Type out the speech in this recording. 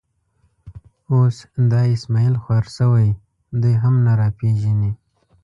اوس دا اسمعیل خوار شوی، دی هم نه را پېژني.